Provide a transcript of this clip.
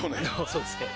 そうですね。